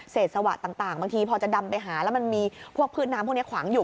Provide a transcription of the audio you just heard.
สวะต่างบางทีพอจะดำไปหาแล้วมันมีพวกพืชน้ำพวกนี้ขวางอยู่